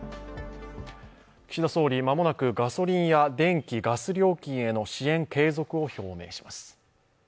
岸田総理、間もなくガソリンや電気、ガス料金への支援継続を表明します。